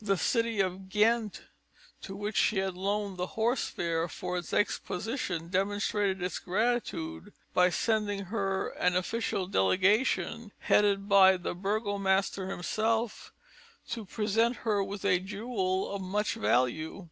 The city of Ghent, to which she had loaned the Horse Fair for its exposition, demonstrated its gratitude by sending her an official delegation headed by the burgomaster himself, to present her with a jewel of much value.